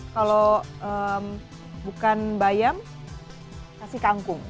kalau bukan bayam kasih kangkung